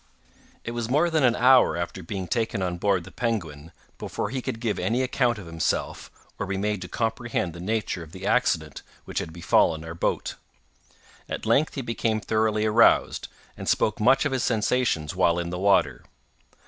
It was more than an hour after being taken on board the Penguin before he could give any account of himself, or be made to comprehend the nature of the accident which had befallen our boat. At length he became thoroughly aroused, and spoke much of his sensations while in the water.